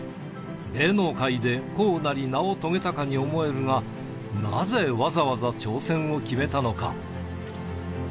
芸能界で功成り名を遂げたかに思えたが、なぜわざわざ挑戦を決めたのか。